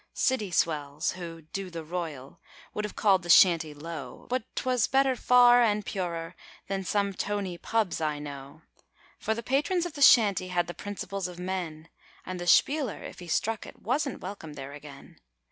City swells who 'do the Royal' would have called the Shanty low, But 'twas better far and purer than some toney pubs I know; For the patrons of the Shanty had the principles of men, And the spieler, if he struck it, wasn't welcome there again.